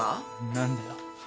何だよ。